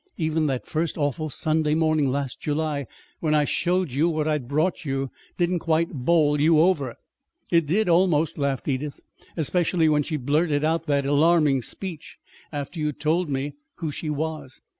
Even that first awful Sunday morning last July, when I showed you what I'd brought you, didn't quite bowl you over." "It did almost," laughed Edith; "especially when she blurted out that alarming speech, after you'd told me who she was."